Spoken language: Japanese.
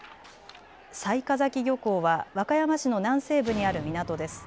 雑賀崎漁港は和歌山市の南西部にある港です。